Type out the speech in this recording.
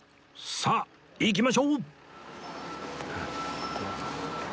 さあ行きましょう！